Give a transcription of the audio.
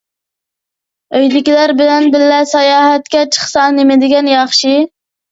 ئۆيدىكىلەر بىلەن بىللە ساياھەتكە چىقسا نېمىدېگەن ياخشى!